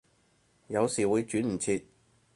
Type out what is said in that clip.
有時會轉唔切